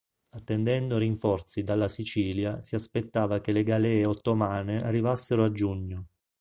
Attendendo rinforzi dalla Sicilia si aspettava che le galee ottomane arrivassero a giugno.